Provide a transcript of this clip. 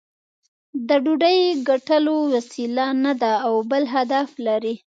د ډوډۍ ګټلو وسیله نه ده او بل هدف لري.